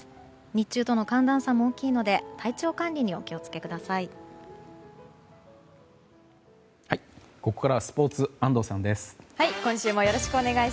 日中との寒暖差も大きいので体調管理にお気を付けください。